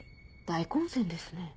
大混戦ですね。